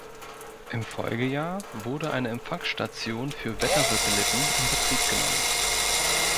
Im Folgejahr wurde eine Empfangsstation für Wettersatelliten in Betrieb genommen.